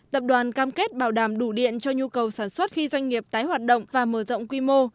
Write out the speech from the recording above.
tập đoàn cam kết bảo đảm đủ điện cho nhu cầu sản xuất khi doanh nghiệp tái hoạt động và mở rộng quy mô